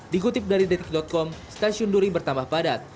dikutip dari detik com stasiun duri bertambah padat